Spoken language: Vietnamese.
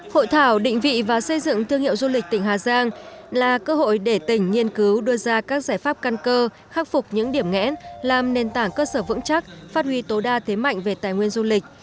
hội thảo định vị và xây dựng thương hiệu du lịch tỉnh hà giang là cơ hội để tỉnh nghiên cứu đưa ra các giải pháp căn cơ khắc phục những điểm nghẽn làm nền tảng cơ sở vững chắc phát huy tối đa thế mạnh về tài nguyên du lịch